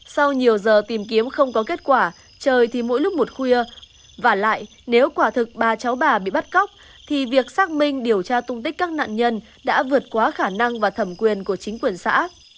sau nhiều giờ tìm kiếm không có kết quả trời thì mỗi lúc một khuya và lại nếu quả thực bà cháu bà bị bắt cóc thì việc xác minh điều tra tung tích các nạn nhân đã vượt quá khả năng và thẩm quyền của chính quyền xã